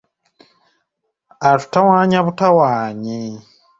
Atutawannya butawanyi.